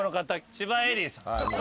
千葉恵里さん。